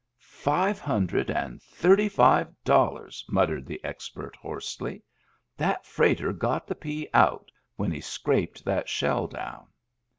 " Five hundred and thirty five dollars," muttered the expert, hoarsely. "That freighter got the pea out when he scraped that shell down."